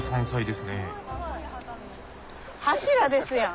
柱ですやん。